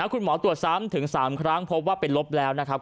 คุณหมอตรวจซ้ำถึง๓ครั้งพบว่าเป็นลบแล้วนะครับ